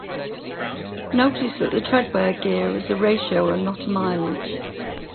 Notice that the treadwear grade is a ratio and not a mileage.